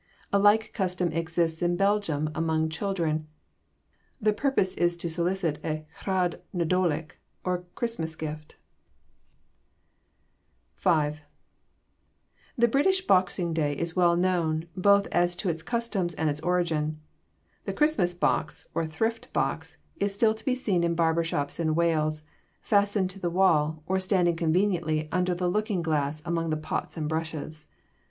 A like custom exists in Belgium, among children. The purpose is to solicit a Rhodd Nadolig, or Christmas gift. FOOTNOTE: 'Cymru Fu,' 403. V. The British Boxing day is well known, both as to its customs and its origin. The Christmas box, or thrift box, is still to be seen in barber shops in Wales, fastened to the wall, or standing conveniently under the looking glass among the pots and brushes.